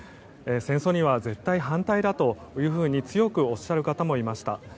戦争には絶対反対だというふうに強くおっしゃる方もいました。